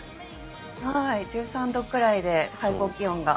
１３度くらいで最高気温が。